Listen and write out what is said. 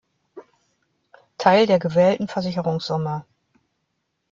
Teil der gewählten Versicherungssumme.